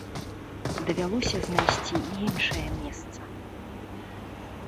Давялося знайсці іншае месца.